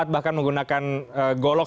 bahkan menggunakan golok